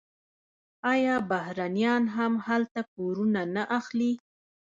آیا بهرنیان هم هلته کورونه نه اخلي؟